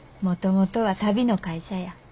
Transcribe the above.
もともとは足袋の会社や。